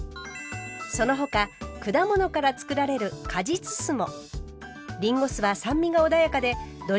その他果物からつくられる果実酢も。